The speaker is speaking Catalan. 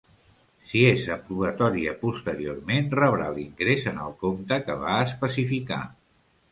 Si és aprovatòria posteriorment rebrà l'ingrés en el compte que va especificar.